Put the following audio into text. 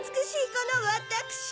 このわたくし。